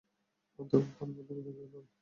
ধূমপান অনুমোদিত নয়।